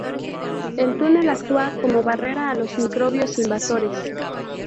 El túnel actúa como barrera a los microbios invasores.